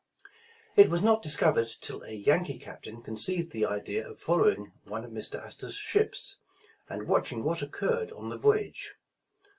It was not discovered till a Yankee captain conceived the idea of following one of Mr. Astor 's ships, and watching what occurred on the voyage.